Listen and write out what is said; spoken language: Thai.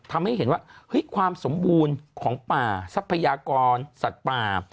ทำให้เห็นว่าความสมบูรณ์ของป่าทรัพยากรสัตว์ป่า